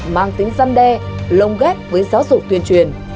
mang tính răn đe lông ghét với giáo dục tuyên truyền